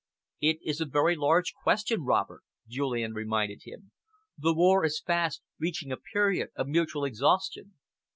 "It is a very large question, Robert," Julian reminded him. "The war is fast reaching a period of mutual exhaustion."